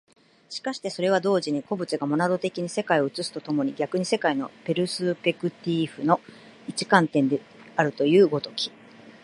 しかしてそれは同時に個物がモナド的に世界を映すと共に逆に世界のペルスペクティーフの一観点であるという如き、